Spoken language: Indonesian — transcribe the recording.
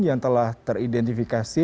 yang telah teridentifikasi